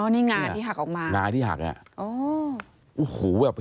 นี่งาที่หักออกมางาที่หักเนี่ย